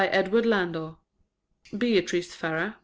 EDWARD LANDOR Beatrice Farrar